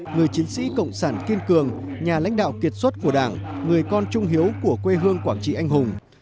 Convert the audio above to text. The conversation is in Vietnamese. người chiến sĩ cộng sản kiên cường nhà lãnh đạo kiệt xuất của đảng người con trung hiếu của quê hương quảng trị anh hùng